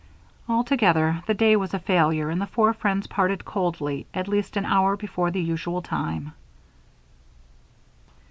Altogether, the day was a failure and the four friends parted coldly at least an hour before the usual time.